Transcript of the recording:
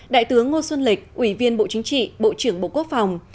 đại tướng ngô xuân lịch ủy viên bộ chính trị bộ trưởng bộ quốc phòng